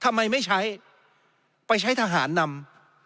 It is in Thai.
ทำไมไม่ใช้ไปใช้ทหารนำ